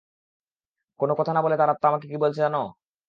কোন কথা না বলে তার আত্মা আমাকে কি বলেছে জান?